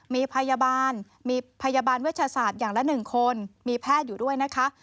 มีพยาบาลมีพยาบาลเวชศาสตร์อย่างละ๑คนมีแพทย์อยู่ด้วยนะคะ